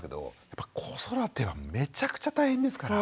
やっぱ子育てはめちゃくちゃ大変ですから。